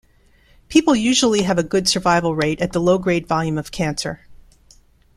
People usually have a good survival rate at the low grade volume of cancer.